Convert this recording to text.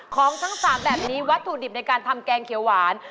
ของทั้ง๓แบบนี้วัตถุดิบในการทำแกงเขียวหวาน